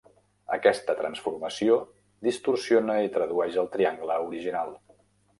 Aquesta transformació distorsiona i tradueix el triangle original.